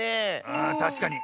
あたしかに。